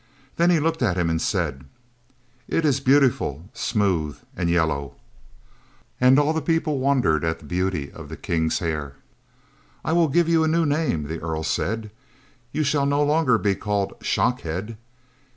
Then he looked at him and said: "It is beautiful, smooth, and yellow." And all people wondered at the beauty of the king's hair. "I will give you a new name," the earl said. "You shall no longer be called Shockhead.